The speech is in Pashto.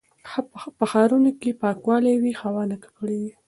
په ښارونو کې چې پاکوالی وي، هوا نه ککړېږي.